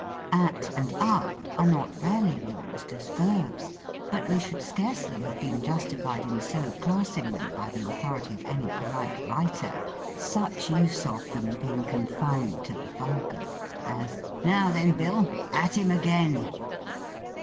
At and tip are not rarely used as verbs, but we should scarcely have been justified in so classing them by the authority of any polite writer ; such use of them being confined to the vulgar : as, " Now then. Bill, at him again."